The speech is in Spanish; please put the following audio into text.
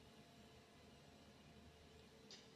La comunidad participa en el programa "Work for the Dole".